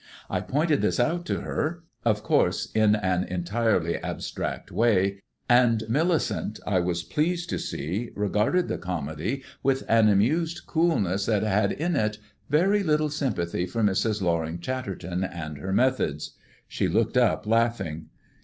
I pointed this out to her of course, in an entirely abstract way; and Millicent, I was pleased to see, regarded the comedy with an amused coolness that had in it very little sympathy for Mrs. Loring Chatterton and her methods. She looked up laughing.